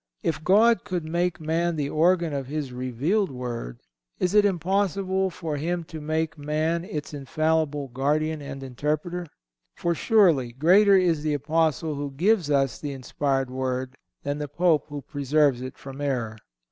If God could make man the organ of His revealed Word, is it impossible for Him to make man its infallible guardian and interpreter? For, surely, greater is the Apostle who gives us the inspired Word than the Pope who preserves it from error.